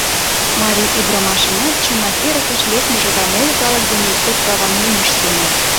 Марий ӱдырамашынат чынак эрыкыш лекмыже да моло калык дене иктӧр праван улмыж семын.